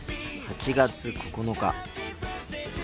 ８月９日。